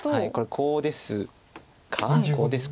コウですかね。